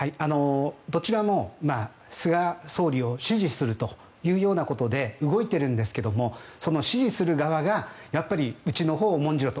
どちらも菅総理を支持するということで動いているんですがその支持する側がやっぱりうちのほうを重んじろと。